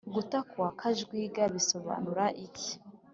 Guta ku wa kajwiga bisobanura iki?